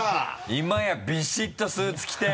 今やビシッとスーツ着て。